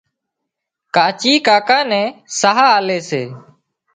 ڪاچي ڪاڪا نين ساهَه آلي سي